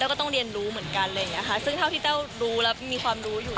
แล้วก็ต้องเรียนรู้เหมือนกันเลยนะคะซึ่งเท่าที่เต้ารู้แล้วมีความรู้อยู่